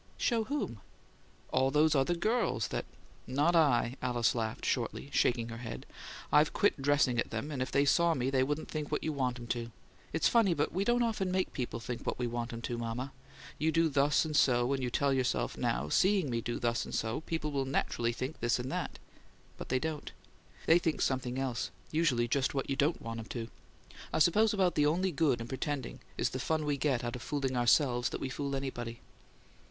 "Show whom!" "All these other girls that " "Not I!" Alice laughed shortly, shaking her head. "I've quit dressing at them, and if they saw me they wouldn't think what you want 'em to. It's funny; but we don't often make people think what we want 'em to, mama. You do thus and so; and you tell yourself, 'Now, seeing me do thus and so, people will naturally think this and that'; but they don't. They think something else usually just what you DON'T want 'em to. I suppose about the only good in pretending is the fun we get out of fooling ourselves that we fool somebody."